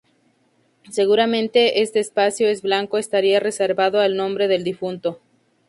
Seguramente este espacio en blanco estaría reservado al nombre del difunto.